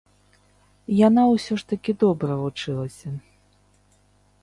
Яна ўсё ж такі добра вучылася.